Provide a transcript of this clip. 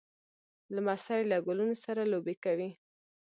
لمسی له ګلونو سره لوبې کوي.